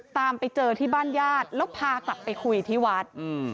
ตามไปเจอที่บ้านญาติแล้วพากลับไปคุยที่วัด